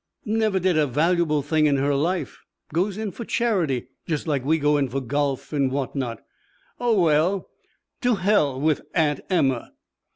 Never did a valuable thing in her life. Goes in for charity just like we go in for golf and what not. Oh, well, to hell with Aunt Emma."